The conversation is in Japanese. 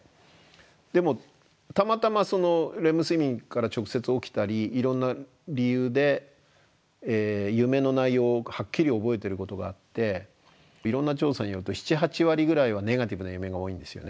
でもたまたまレム睡眠から直接起きたりいろんな理由で夢の内容をはっきり覚えてることがあっていろんな調査によると７８割ぐらいはネガティブな夢が多いんですよね。